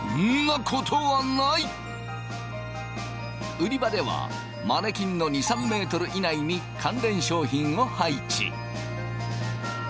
売り場ではマネキンの２３ｍ以内に関連商品を配置。